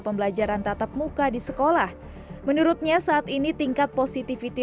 pembelajaran tatap muka di sekolah menurutnya saat ini tingkat positivity